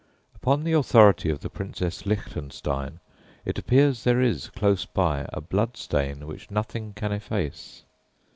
Upon the authority of the Princess Lichtenstein, it appears there is, close by, a blood stain which nothing can efface!